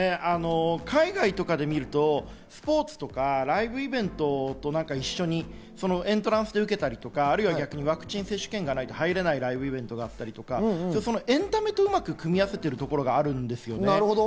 海外とかで見ると、スポーツとかライブイベントと一緒にエントランスで受けたり、ワクチン接種券がないと入れないライブイベントがあったり、エンタメとうまく組み合わせているところがあるんですね。